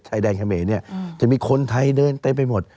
ชายแดนเขมรเนี่ยจะมีคนไทยเดินเต็มไปหมด